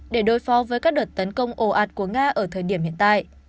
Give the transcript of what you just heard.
để đối phó với các đợt tấn công ồ ạt của nga ở thời điểm hiện tại